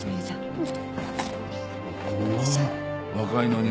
うん。